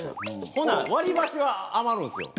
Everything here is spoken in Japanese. ほな割り箸は余るんですよ。